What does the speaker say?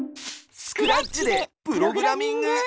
スクラッチでプログラミング！